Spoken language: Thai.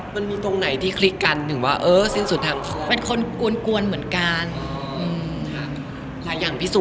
มันมีตรงไหนที่คลิกกันถึงว่าวะเออ